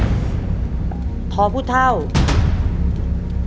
คุณยายแจ้วเลือกตอบจังหวัดนครราชสีมานะครับ